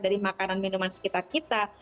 dari makanan minuman sekitar kita